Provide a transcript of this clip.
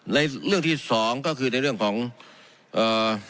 ในเรื่องที่สองก็คือในเรื่องของเอ่อ